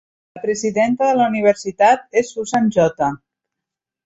La presidenta de la universitat és Susan J.